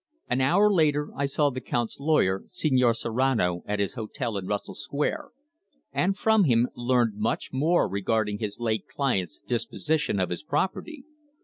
An hour later I saw the Count's lawyer, Señor Serrano, at his hotel in Russell Square, and from him learned much more regarding his late client's disposition of his property.